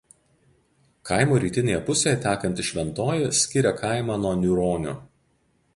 Kaimo rytinėje pusėje tekanti Šventoji skiria kaimą nuo Niūronių.